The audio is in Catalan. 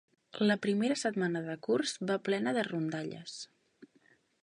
La primera setmana de curs va plena de rondalles.